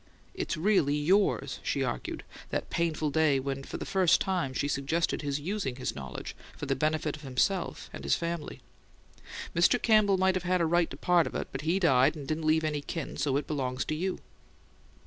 "It's really YOURS," she argued, that painful day when for the first time she suggested his using his knowledge for the benefit of himself and his family. "Mr. Campbell might have had a right to part of it, but he died and didn't leave any kin, so it belongs to you."